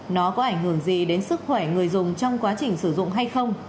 nó có ảnh hưởng gì đến sức khỏe người dùng trong quá trình sử dụng hay không